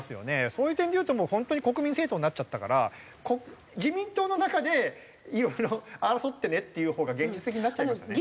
そういう点でいうともう本当に国民政党になっちゃったから自民党の中でいろいろ争ってねっていうほうが現実的になっちゃいましたね。